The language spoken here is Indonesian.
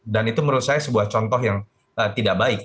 dan itu menurut saya sebuah contoh yang tidak baik